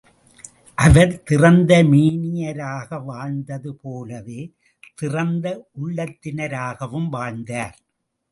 அவர் திறந்த மேனியராக வாழ்ந்தது போலவே, திறந்த உள்ளத்தினராகவும் வாழ்ந்தார்.